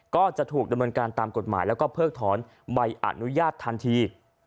ก็จะถูกดำเนินการตามกฎหมายแล้วก็เพิกถอนใบอนุญาตทันที